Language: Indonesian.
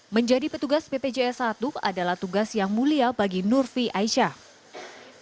menjadi petugas bpjs satu adalah tugas yang mulia bagi nurfi aisyah